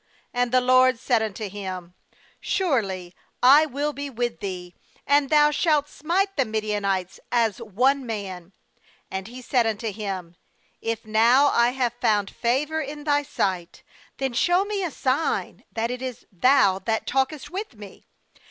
"And. the LORD said unto him: ' Surely I will be with thee, and thou shalt smite the Midianites as one man.' 17And he said unto him: 'If now I have found favour in thy sight, then show me a sign that it is thou that talkest with me.